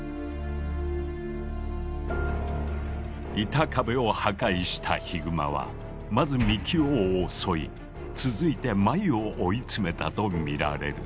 板壁を破壊したヒグマはまず幹雄を襲い続いてマユを追い詰めたとみられる。